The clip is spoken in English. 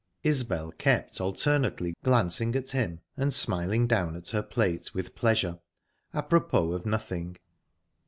Isbel kept alternately glancing at him and smiling down at her plate with pleasure, apropos of nothing.